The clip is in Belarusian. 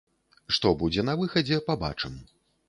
Што будзе на выхадзе, пабачым.